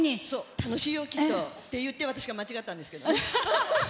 楽しいよ！って言って私が間違ったんですけど。